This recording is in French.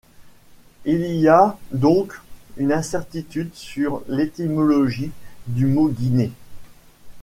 Il y a donc une incertitude sur l'étymologie du mot Guinée.